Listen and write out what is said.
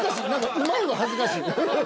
うまいは恥ずかしい。